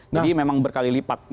jadi memang berkali lipat